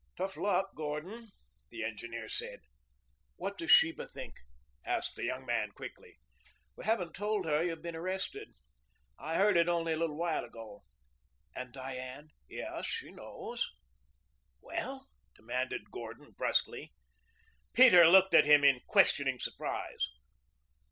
"Tough luck, Gordon," the engineer said. "What does Sheba think?" asked the young man quickly. "We haven't told her you have been arrested. I heard it only a little while ago." "And Diane?" "Yes, she knows." "Well?" demanded Gordon brusquely. Peter looked at him in questioning surprise.